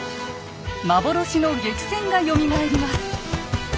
幻の激戦がよみがえります。